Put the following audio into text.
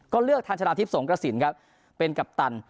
ก็เลือกทันชนะทิพย์สงกระสินครับเป็นกัปตัน